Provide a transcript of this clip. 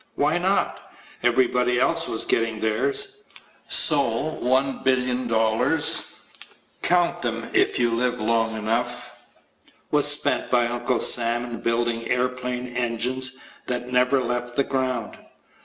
Why not? Everybody else was getting theirs. So $1,000,000,000 count them if you live long enough was spent by Uncle Sam in building airplane engines that never left the ground!